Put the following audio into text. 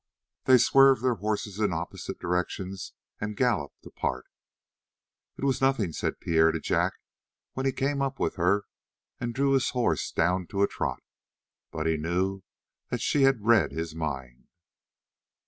They swerved their horses in opposite directions and galloped apart. "It was nothing," said Pierre to Jack, when he came up with her and drew his horse down to a trot. But he knew that she had read his mind.